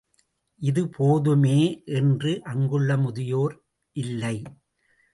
இது போதுமே, என்று அங்குள்ள முதியோர் இல்லை.